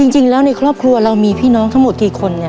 จริงแล้วในครอบครัวเรามีพี่น้องทั้งหมดกี่คนเนี่ย